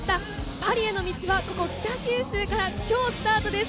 パリへの道はここ北九州から今日スタートです。